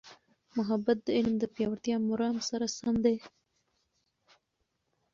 محبت د علم د پیاوړتیا مرام سره سم دی.